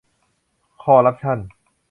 คอร์รัปชั่น